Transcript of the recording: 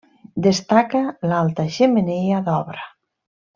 Destaca l'alta xemeneia d'obra.